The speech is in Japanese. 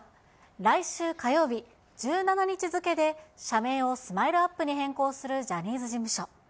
来週火曜日１７日付で社名をスマイルアップに変更するジャニーズ事務所。